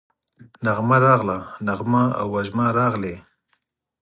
نغمه راغله، نغمه او وژمه راغلې